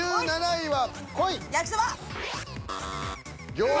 １５位は？